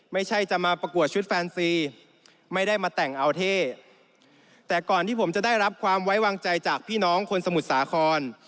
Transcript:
ไม่ใช่จะมาประกวดชุดแฟนซีไม่ได้มาแต่งเอาเท่แต่ก่อนที่ผมจะได้รับความไว้วางใจจากพี่น้องคนสมุทรสาคร